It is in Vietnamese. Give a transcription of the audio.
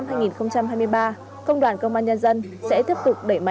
trong năm hai nghìn hai mươi ba công đoàn công an nhân dân sẽ tiếp tục đẩy mở